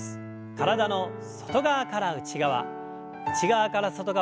体の外側から内側内側から外側。